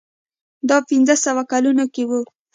دا په پنځه سوه کلونو کې و.